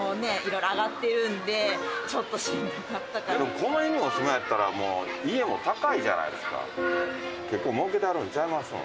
この辺にお住まいやったら家も高いじゃないですか。